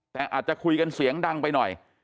แต่อาจจะคุยกันเสียงดังไปหน่อย